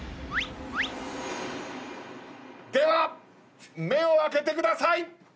では目を開けてください！